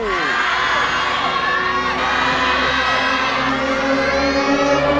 ได้เลย